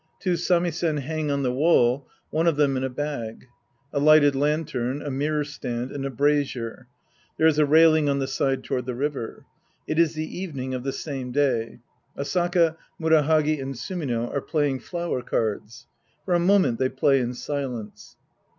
Two samisen hang on the wall, one of them in a bag. A lighted lantern, a mirror stand auda brazier. There is a railing on the side toward the river. It is' the evening of the same day. Asaka, Murahagi and SuMiNO are playing flower cards. For a moment they play in silence!)